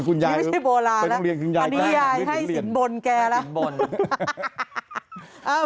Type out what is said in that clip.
อันนี้ยายให้สินบนแกแล้ว